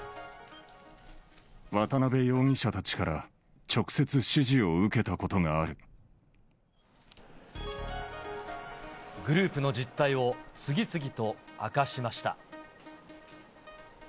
渡辺容疑者たちから直接指示グループの実態を次々と明かしました。